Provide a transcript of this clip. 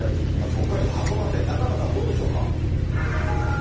北海道函館、中山さん、どうでしょうか。